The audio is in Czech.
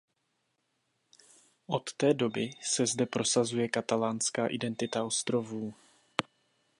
Od té doby se zde prosazuje katalánská identita ostrovů.